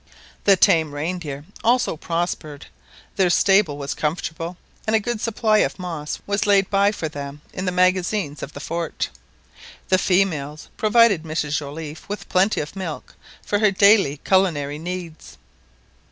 The tame reindeer also prospered, their stable was comfortable, and a good supply of moss was laid by for them in the magazines of the fort. The females provided Mrs Joliffe with plenty of milk for her daily culinary needs.